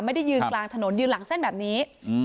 ไม่ได้ยืนกลางถนนยืนหลังเส้นแบบนี้